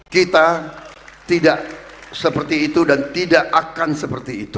kita tidak seperti itu dan tidak akan seperti itu